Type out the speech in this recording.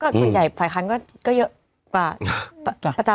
ส่วนใหญ่ฝ่ายค้านก็เยอะกว่าประจำ